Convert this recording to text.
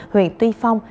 huyện tuy phong